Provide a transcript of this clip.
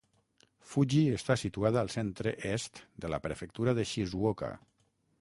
Fuji està situada al centre-est de la prefectura de Shizuoka.